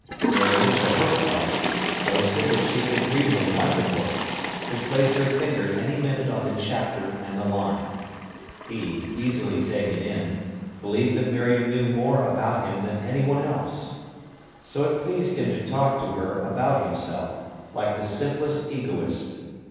Miriam, for her part, boasted that she could read him like a book, could place her finger any minute on the chapter and the line. He, easily taken in, believed that Miriam knew more about him than anyone else. So it pleased him to talk to her about himself, like the simplest egoist.